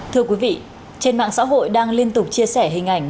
thưa quý vị trên mạng xã hội đang liên tục chia sẻ hình ảnh